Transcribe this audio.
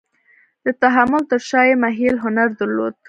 د تحمل تر شا یې محیل هنر درلود.